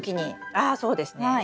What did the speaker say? ああそうですね。